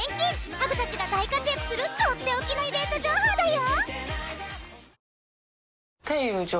ハグたちが大活躍するとっておきのイベント情報だよ！